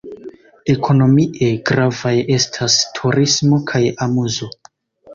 Ekonomie gravaj estas turismo kaj amuzo.